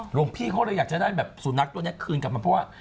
หลวงพี่เขาเลยอยากจะได้แบบสุนัขตัวนี้คืนกลับมาเพราะว่า